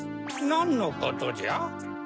なんのことじゃ？